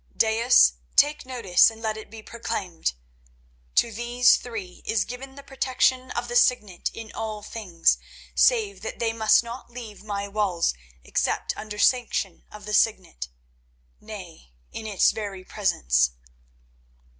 Dais take notice and let it be proclaimed—To these three is given the protection of the Signet in all things, save that they must not leave my walls except under sanction of the Signet—nay, in its very presence."